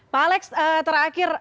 pak alex terakhir